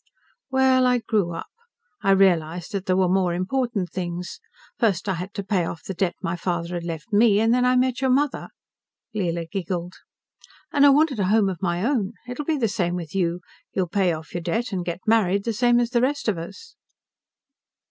"Well, I grew up. I realized that there were more important things. First I had to pay off the debt my father had left me, and then I met your mother " Leela giggled. " and I wanted a home of my own. It'll be the same with you. You'll pay off your debt and get married, the same as the rest of us."